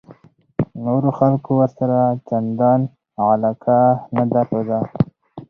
نورو خلکو ورسره چندان علاقه نه درلوده.